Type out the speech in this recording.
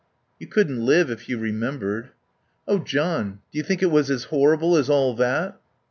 "You couldn't live if you remembered...." "Oh, John, do you think it was as horrible as all that?"